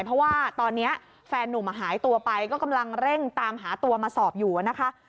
เพราะว่าตอนนี้แฟนนุ่มหายตัวไปก็กำลังเร่งตามหาตัวมาสอบอยู่นะคะ